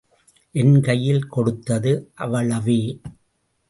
என் கையில் கொடுத்தது, அவ்வளவே.